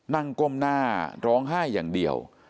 ก้มหน้าร้องไห้อย่างเดียว